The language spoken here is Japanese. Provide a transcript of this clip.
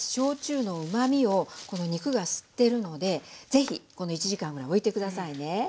焼酎のうまみをこの肉が吸ってるのでぜひ１時間ぐらいおいて下さいね。